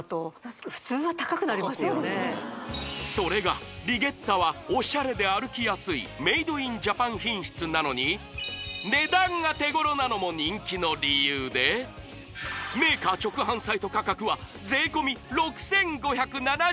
それがリゲッタはオシャレで歩きやすいメイドインジャパン品質なのに値段が手頃なのも人気の理由でメーカー直販サイト価格は税込６５７８円